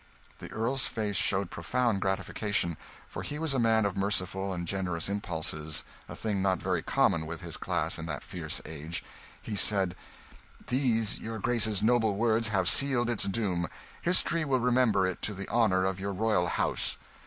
The Earl's face showed profound gratification, for he was a man of merciful and generous impulses a thing not very common with his class in that fierce age. He said "These your Grace's noble words have sealed its doom. History will remember it to the honour of your royal house."